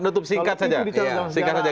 kalau itu di tanggung jawab